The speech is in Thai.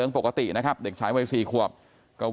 นางนาคะนี่คือยายน้องจีน่าคุณยายถ้าแท้เลย